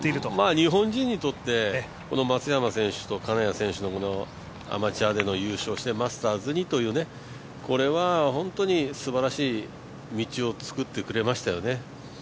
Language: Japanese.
日本人にとって松山選手と金谷選手のアマチュアで優勝してマスターズにという、これは本当にすばらしい道をつくってくれましたよね。